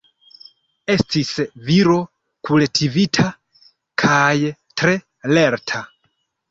Estis viro kultivita kaj tre lerta.